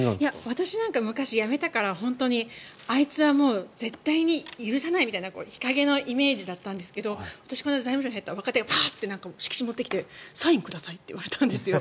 私なんか昔、辞めたからあいつは絶対に許さないみたいな日陰のイメージだったんですけど私が財務省に入った時若手がパーッと色紙を持ってきてサインくださいって言われたんですよ。